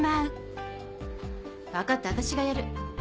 分かった私がやる。